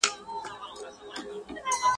تر خېښ، نس راپېش.